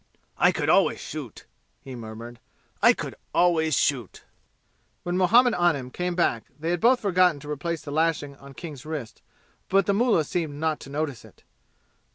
"I could always shoot," he murmured; "I could always shoot." When Muhammad Anim came back they had both forgotten to replace the lashing on King's wrists, but the mullah seemed not to notice it.